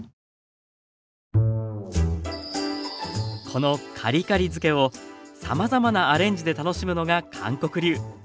このカリカリ漬けをさまざまなアレンジで楽しむのが韓国流。